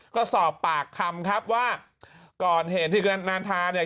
ก็สอบปากคำครับว่าก่อนเหตุที่นานทาเนี่ย